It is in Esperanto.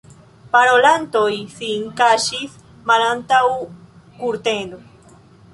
Parolantoj sin kaŝis malantaŭ kurteno.